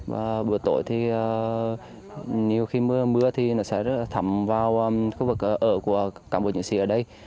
và buổi tối thì nhiều khi mưa thì nó sẽ thấm vào khu vực ở của cảng bộ trưởng sĩ ở đây